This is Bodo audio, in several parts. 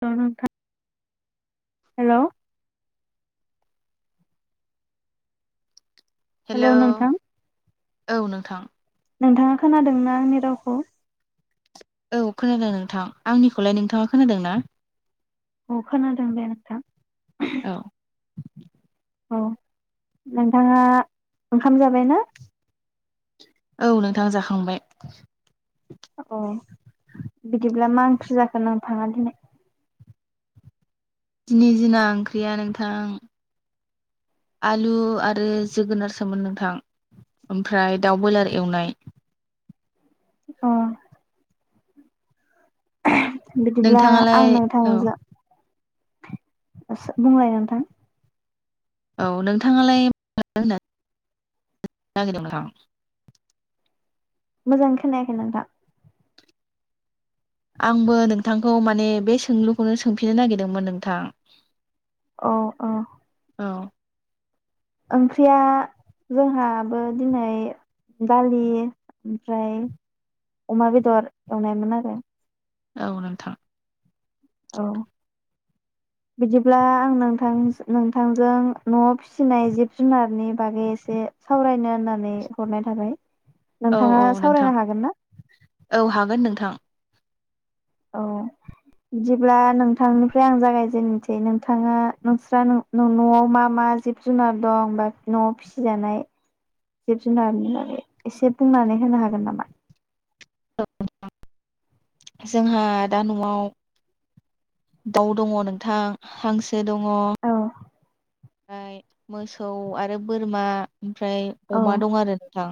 थ' नोंथां हेलौ हेलौ नोंथां। औ नोंथां। नोंथाङा खोनादोंना आंनि रावखौ? औ खोनादों नोंथां आंनिखौलाय नोंथाङा खोनादों ना? अ खोनादों दे नोंथा। औ। औ नोंथाङा ओंखाम जाबाय ना? औ नोंथां जाखांबाय। अ बिदि ब्ला मा ओंख्रि जाखो नोंथाङा दिनै? दिनै जिना ओंख्रिया नोंथां आलु आरो जोगोनारसोमोन नोंथां ओमफ्राय दाउ बयलार एवनाय। अ बिदिब्ला नोंथाङालाय आं नोंथां औ जो बुंलाय नोंथां। औ नोंथाङालाय मा होननो नागिरदों नोंथां? मोजां खोनायाखै नोंथां। आंबो नोंथांखौ माने बे सोंलुखौनो सोंफिननो नागिरदोंमोन नोंथां। अ अ। औ। ओंख्रिया जोंहाबो दिनै दालि ओमफ्राय अमा बेदर एवनायमोन आरो। औ नोंथां। औ बिदिब्ला आं नोंथां नोंथांजों न'आव फिसिनाय जिब जुनारनि बागै एसे सावरायनो होननानै हरनाय थाबाय। औ नोंथाङा औ सावरायनो नोंथां हागोन ना औ हागोन नोंथां। औ बिदिब्ला नोंथांनिफ्राय आं जागायजेननोसै नोंथाङा नोंस्रा न-न'आव मा मा जिब जुनार दंबा न'आव फिसिजानाय जिब जुनारनि बागै एसे बुंनानै होनो हागोन नामा? [unintelligible] जोंहा दा न'आव दाउ दङ' नोंथां हांसो सो दङ'। औ ओमफ्राय मोसौ आरो बोरमा ओमफ्राय औ अमा दं आरो नोंथां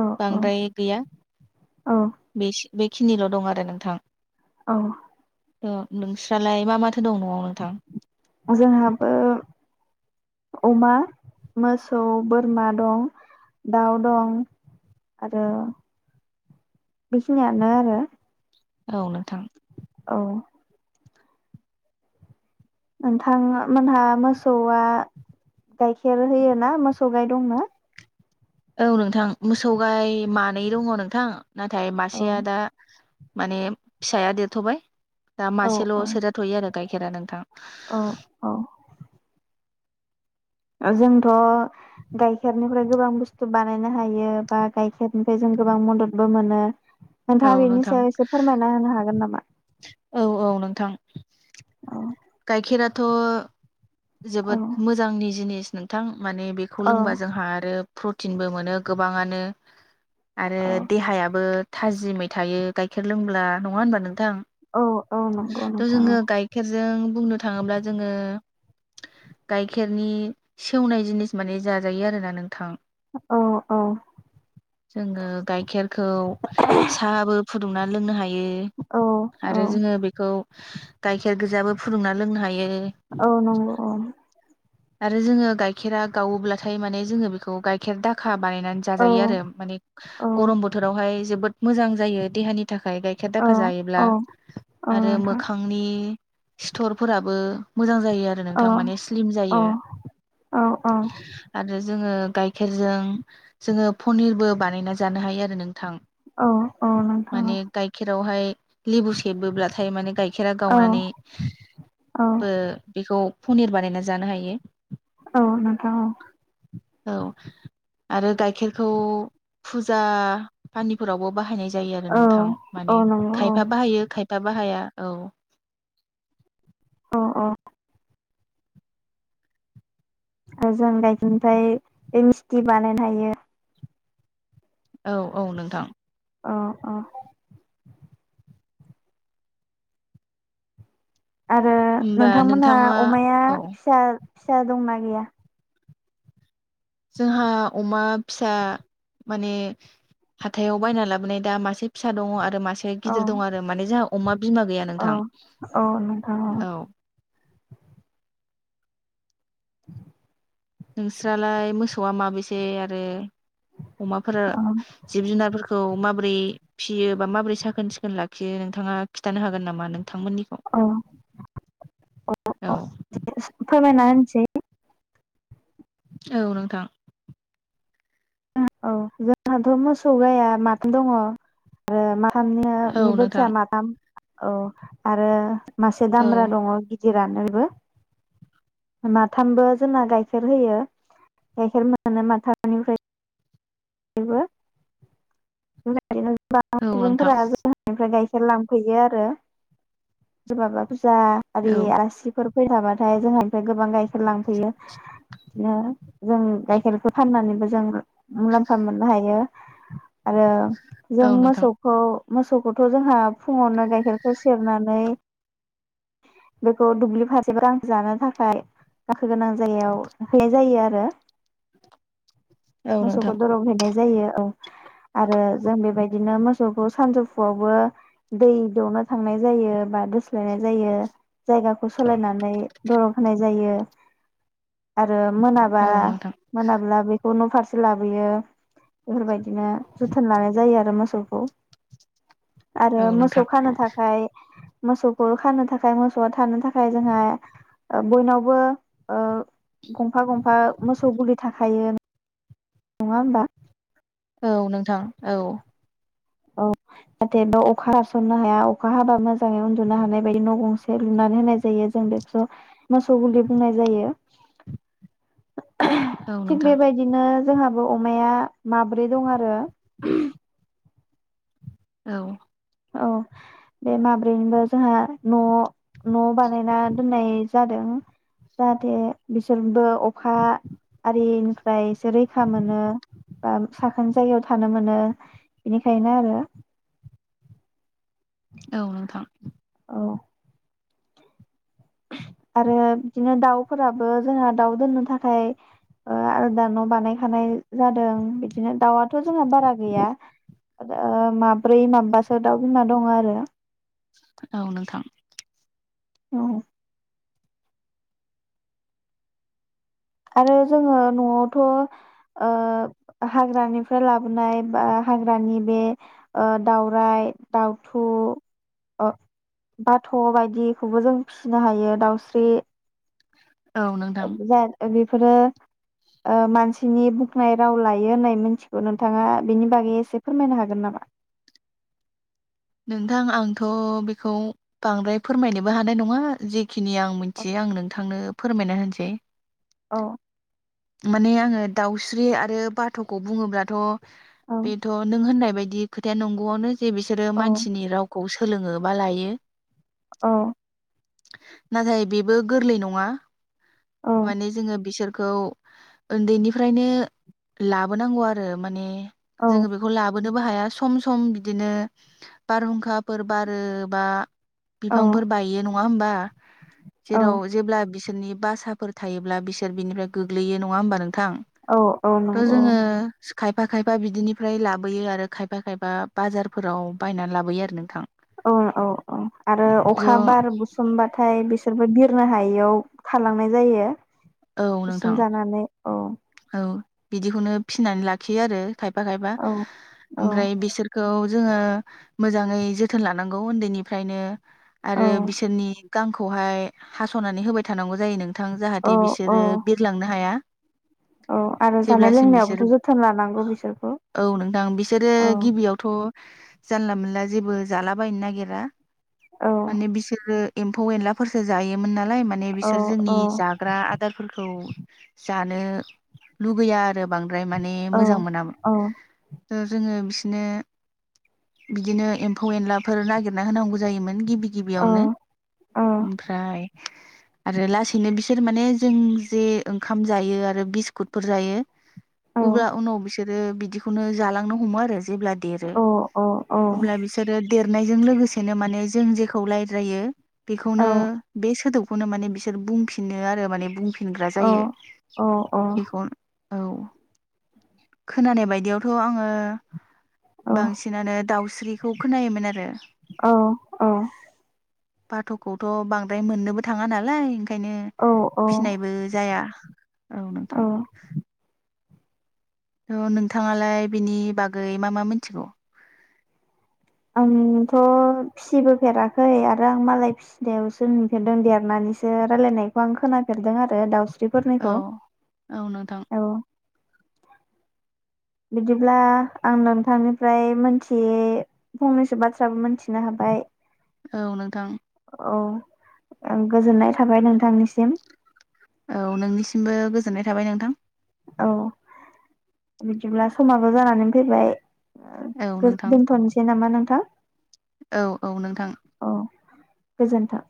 औ औ बांद्राय गैया औ बेसो बेखिनिल' दं आरो नोंथां। औ। ओ नोंस्रालाय मा माथो दं न'आव नोंथां जोंहाबो अमा, मोसौ, बोरमा दं, दाउ दं आरो बेखिनियानो आरो। औ नोंथां। औ नोंथां मोनहा मोसौआ गाइखेर होयो ना मोसौ गाइ दंना? औ नोंथां मोसौ गाय मानै दङ नोंथां नाथाय औ मासेया दा माने फिसाया देरथ'बाय दा मासेल' सेरजाथ'यो आरो गाय खेरा नोंथां। अ अ आजोंथ' गायखेरनिफ्राय गोबां बुस्थु बानायनो हायो बा गाइखेरनिफ्राय जों गोबां मददबो मोनो। औ नोंथाङा बेनि नोंथां सायाव एसे फोरमायना होनो हागोन नामा? अ गायखेराथ' औ जोबोद मोजांनि जिनिस। नोंथां। माने बेखौ औ लोंबा जोंहा आरो प्रटिनबो मोनो गोबाङानो आरो देहायाबो थाजिमै थायो गाइखेर लोंब्ला नङा होनबा नों थां औ औ नंगौ थ' नोंथां जोङो गाइखेरजों बुंनो थाङोब्ला जोङो गाइखेरनि सेवनाय जिनिस माने जाजायो आरोना नोंथां। औ औ जोङो गाइखेरखौ साहाबो फु दुंना लोंनो हाय औ [unintelligible] औ आरो जोङो बेखौ गाइखेर गोजाबो फुदुंना लोंनो हायो। औ नंगौ अ। आरो जोङो गाइखेरा गावोब्लाथाय माने जोङो बेखौ गाइखेर दाखा बानायनानै औ जाजायो आरो माने औ गरम बोथोरावहाय जोबोद मोजां जायो देहानि थाखाय गाइखेर औ दाखा जायोब्ला औ औ आरो नोंथां मोखांनि सिथर फोराबो मोजां जायो आरो औ नोंथां माने स्लिम औ जायो औ आरो जोङो गाइखेरजों जोङो पनिरबो बानायना जानो हायो आरो नों थां औ औ नोंथां माने गाइखेरावहाय लेबु सेबोब्लाथाय माने गाइख गाइखेरा औ गावनानै औ बो बेखौ पनिर बानायना जानो हायो। औ नोंथां औ। औ आरो गाइखेरखौ फुजा पानिफोरावबो बाहायनाय जायो आरो औ नोंथां औ माने नंगौ खायफा औ बाहायो खाय दा बाहाया औ। [unintelligible] जों गाइखेरनिफ्राय बे मिस्थि बानायनो हायो। औ औ नोंथां। अ अ। आरो होमबा नोंथांमोनहा नोंथाङा अमाया औ फिसा फिसा दंना गैया? जोंहा अमा फिसा माने हाथायाव बायना लाबोनाय दा मासे फिसा दङ आरो मासे से औ गिदिर दं आरो माने जोंहा अमा बिमा गैया औ नोंथां औ नोंथां औ। [inaudible] नोंस्रालाय मोसौआ माबेसे आरो अमाफोरा औ जिब जुनारफोरखौ मा माबोरै फियो बा माबोरै साखोन सिखोन लाखियो नोंथाङा खिथानो हागोन नामा नों औ औ फोरमायना होनसै। [inaudible] औ नोंथां। औ जोंहाथ' मोसौ गाया माथाम दङ आरो मा थामनियाबो औ निबो फिसा नोंथां माथाम। औ आरो मासे औ दाम्रा दङ। दिरानोबो बिबो माथामबो जोंना गाइखेर होयो गाइखेर मोनो माथामनिफ्राय बो [unintelligible] [unintelligible] औ नोंथां लांफैयो आरो सोरबाबा बुस जा आरि औ आलासिफोर फैबा बाथाय जोंहानिफ्राय गोबां गाइखेर लांफैयो। बिदिनो जों गायखेरखौ फाननानैबो जों मुलाम्फा मोननो हायो आरो जों औ नोंथां मोसौखौ मोसौखौथ' जोंहा फुङावनो गाइखेरखौ सेरनानै बेखौ दुब्लि फारसेबो गां जानो थाखाय गांखो गोनां जायगायाव हैनाय जायो आरो। औ मोसौखौ नोंथां दरग हैनाय जायो औ आरो जों बेबायदिनो मोसौखौ सानजौफुआवबो दै दौनो थांनाय जायो बा दोस्लायनाय जायो जायगाखौ सोलायनानै दरग होनाय जायो। आरो मोनाबा औ नोंथां मोनाब्ला बे अ न' फारस से लाबोयो बेफोरबायदि दिनो जोथोन लानाय जायो आरो मोस सौखौ। आरो औ मोसौ नोंथां खानो थाखाय मोसौखो खानो थाखाय मोसौआ थानो थाखाय जोंहा ओ बयनावबो ओ गंफा गंफा मोसौ गुलि थाखायो। नङा होमबा? औ नोंथां औ। औ नाथाय बेयाव अखा हासननो हाया अखा हाबा मोजाङै उन्दुनो हानाय बायदि न' गंसे लुनानै होनाय जायो जों बेखौसो मोसौ गुलि बुंनाय जायो। औ थिग नोंथां बेबायदिनो जोंहाबो अमाया माब्रै दं आरो। औ। औ बे माब्रैनिबो जोंहा न' न' बानायना दोननाय जादों जाहाथे बिसोरबो अखा आरिनिफ्राय एसे रैखा मोनो बा साखोन जायगायाव थानो मोनो बेनिखायनो आरो। औ नोंथां। औ आरो बिदिनो दाउफोराबो जोंहा दाउ दोननो थाखाय ओ आलदा न' बानायखानाय जादों बिदि नो दाउआथ' जोंआ बारा गैया। माब्रै माबबासो दाउ बिमा दङ आरो। औ नोंथां। औ आरो जोङो न'आवथ' ओ हाग्रानिफ्राय लाबोनाय बा हाग्रानि बे ओ दाउराइ दाउथु ओ बाथ' बायदिखौबो जों फिसिनो हायो दाउस्रि औ नोंथां [unintelligible] फोरबो ओ मानसिनि बुंनाय राव लायो होननाय मिथिगौ नोंथाङा बेनि बागै एसे फोरमायनो हागोन नामा? नोंथां आंथ' बेखौ बांद्राय फोरमायनोबो हानाय नङा जि खिनि आं औ मिथियो आं नोंथांनो फोरमायना होनोसै। अ माने आङो दाउस्रि आरो बाथ'खौ बुङोब्लाथ' औ बेथ' नों होननाय बायदि खोथाया नंगौआवनो जे बिसोरो मान रावखौ सोलोङो बा लायो। अह। नाथाय बेबो गोरलै नङा। औ माने जोङो बिसोर खौ ओन्दैनिफ्रायनो लाबोनांगौ आरो माने औ जोङो बेखौ लाब बोनोबो हाया सम सम बिदिनो बारहुंखाफोर बारोबा औ बिफांफोर बायो नं नङा होमबा? औ जेराव जेब्ला बिस सोरनि बासा फोर थायोब्ला बिसोर बिनिफ्राय गोग्लैयो नङा होमबा नों थां, औ औ थ नंगौ जोङो खायफा खायफा बिदिनिफ्राय लाबोयो आरो खायफा खायफा बाजारफोराव बायनानै लाबोयो आरो नोंथां। अह औ औ आरो ज' अखा बार बुसुमबाथाय बिस बिसोरबो बिरनो हायियाव थालांनाय जायो। औ नोंथां उसोमजानानै औ। औ बिदिखौनो फिनानै लाखियो आरो खायफा खायफा औ औ ओमफ्राय बिसोरखौ जोङो मोजाङै जोथोन लानांगौ उन्दैनिफ्रायनो औ आरो बिसोरनि गांखौहाय हास'नानै होबाय थानांगौ जायो नोंथां। औ थे औ बिसोरो बिरलांनो हाया। औ आरो जानाय जेब्लासिम बिसोर लोंनायावबोथ' जोथोन लानांगौ बिसोरखौ औ नोंथां बिसोरो औ। गिबियावथ' जानला मोनला जेबो जालाबायनो नागिरा। औ माने बिसोरो एम्फौ एनलाफोरसो जायो मोन नालाय माने औ बिसोर जोंनि औ जाग आदारफोरखौ जानो लुगैया आरो बांद्राय माने औ मोजां मोनामोन। औ जोङो बिसनो बिदिनो एम्फौ एनलाफोर नागिरना होनांगौ जायोमोन। गि बि औ गिबियावनो। औ ओमफ्राय आरो लासैनो बिसो सोर माने जों जे ओंखाम जायो आरो बिस्कुटफोर जायो औ उब्ला उनाव बिस बिसोरो बिदिखौनो जालांनो हमो आरो। जेब्ला देरो औ औ अब्ला बिसोरो देरनायजों लोगोसेनो माने जों जेखौ रायलायो बेखौनो बे सोदोब खौनो माने बिसोर बुं बिनो आरो माने बुं अ अ अ औ खोनानाय बायदियावथ आङो बांसिनानो दाउस्रिखौ खोनायोमोन आरो। बाथखौथ बांद्राय मोननोबो थाङा नालाय ओंखायनो औ फिनायबो जाया औ नोंथां। थ नोंथाङालाय बिनि बागै मा मा मिथिगौ? आंथ फिसिबोफेराखै आरो आं मालाय फिसिनायावसो नुफेरदों देरनानैसो रायलायनायखौ आं खोनाफेरदों आरो। बे औ दाउस्रिफोरनिखौ औ [inaudible] बिदिब्ला आं नोंथांनिफ्राय मोनथियै फंनैसो बाथ्राबो मिथिनो हाबाय औ नोंथां। औ गोजोननाय थाबाय नोंथांनिसिम। औ नोंनिसिमबो गोजोननाय थाबाय नोंथां। औ बिदिब्ला समाबो जानानै फैबाय। औ नोंथां दोनथनोसै नामा नों थां? औ औ नोंथां। गोजोनथों।